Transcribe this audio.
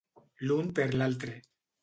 L'un per l'altre.